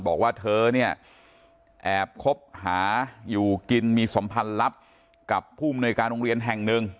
บอกว่าเธอเนี่ยแอบคบหาอยู่กินมีสัมพันธ์ลับกับผู้มนวยการโรงเรียนแห่งหนึ่ง